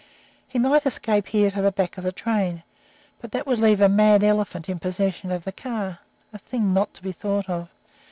He might escape here to the back of the train, but that would leave a mad elephant in possession of the car, a thing not to be thought of.